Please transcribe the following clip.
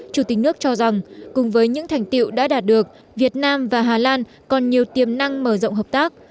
chủ tịch nước cho rằng cùng với những thành tiệu đã đạt được việt nam và hà lan còn nhiều tiềm năng mở rộng hợp tác